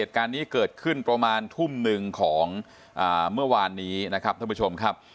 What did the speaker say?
เกิดขึ้นประมาณทุ่ม๑ของเมื่อวานนี้นะครับ